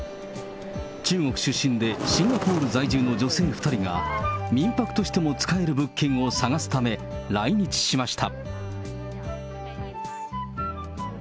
中国出身でシンガポール在住の女性２人が、民泊としても使える物件を探すため来日しました。